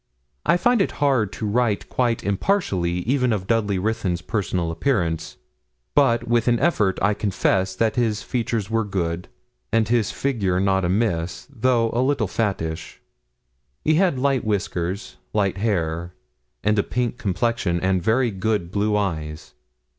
I find it hard to write quite impartially even of Dudley Ruthyn's personal appearance; but, with an effort, I confess that his features were good, and his figure not amiss, though a little fattish. He had light whiskers, light hair, and a pink complexion, and very good blue eyes.